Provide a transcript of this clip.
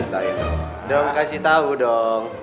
tunggu gue ceritain dong